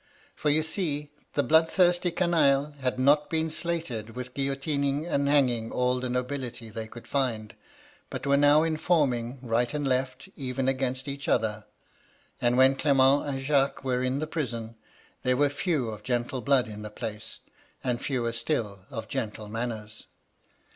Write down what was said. For you see, the bloodthirsty canaille had not been sated with guillotining and hanging all the nobility they could find, but were now informing, right and left, even against each other ; and when Clement and Jacques were in the prison, there were few of gentle blood in the place, and fewer still of gentle manners.